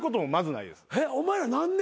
お前ら何年？